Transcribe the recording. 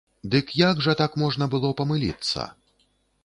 Дык, як жа так можна было памыліцца?